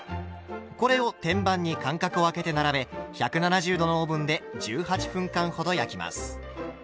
これを天板に間隔をあけて並べ１７０℃のオーブンで１８分間ほど焼きます。